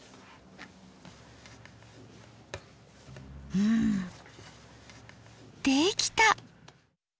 うんできた！